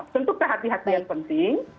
tentu kehatian penting